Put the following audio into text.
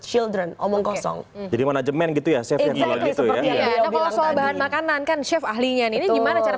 children omong kosong jadi mana jemen gitu ya saya seperti makanan kan chef ahlinya nih gimana cara